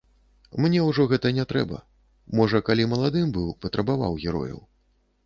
Мне ўжо гэта не трэба, можа, калі маладым быў, патрабаваў герояў.